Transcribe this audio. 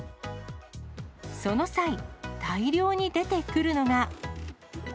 その際、大量に出てくるのが。